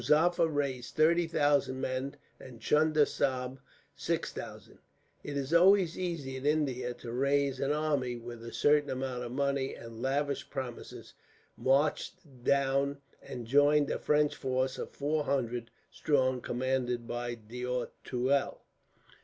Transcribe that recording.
"Muzaffar raised thirty thousand men, and Chunda Sahib six thousand it is always easy, in India, to raise an army; with a certain amount of money, and lavish promises marched down and joined a French force of four hundred strong, commanded by D'Auteuil.